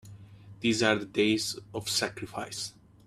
These are days of sacrifice!